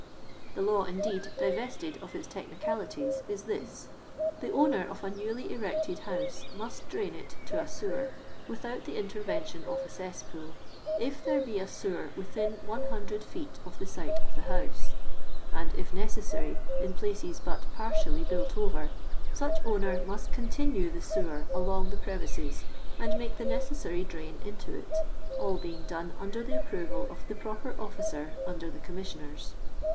The law, indeed, divested of its technicalities is this : the owner of a newly erected house must drain it to a sewer, without the intervention of a cesspool, if there be a sewer within 100 feet of the site of the house ; and, if necessary, in places but partially built over, such owner must continue the sewer along the pre mises, and make the necessary drain into it ; all being done under the approval of the proper officer under the Commissioners.